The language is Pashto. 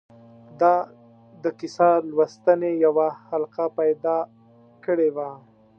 ده د کیسه لوستنې یوه حلقه پیدا کړې وه.